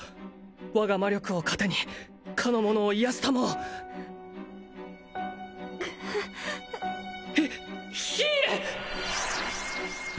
我が魔力を糧に彼のものを癒やし給うヒヒール！